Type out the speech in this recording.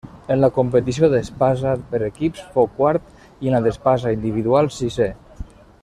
En la competició d'espasa per equips fou quart i en la d'espasa individual sisè.